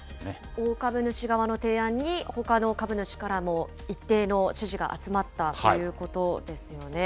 大株主側の提案に、ほかの株主からも一定の支持が集まったということですよね。